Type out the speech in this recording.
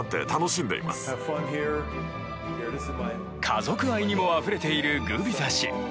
家族愛にもあふれているグビザ氏。